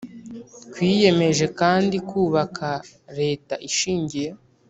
Twiyemeje kandi kubaka leta ishingiye